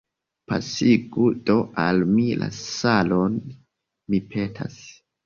Pasigu do al mi la salon, mi petas.